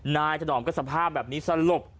ถนอมก็สภาพแบบนี้สลบ